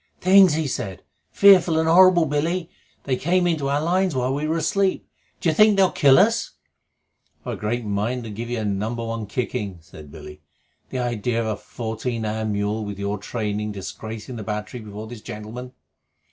"Things!" he said. "Fearful and horrible, Billy! They came into our lines while we were asleep. D'you think they'll kill us?" "I've a very great mind to give you a number one kicking," said Billy. "The idea of a fourteen hand mule with your training disgracing the battery before this gentleman!"